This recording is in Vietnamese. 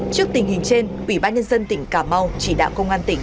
trước tình hình trên quỹ bán nhân dân tỉnh cà mau chỉ đạo công an tỉnh